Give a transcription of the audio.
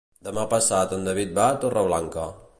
Demà passat en David va a Torreblanca.